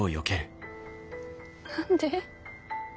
何で。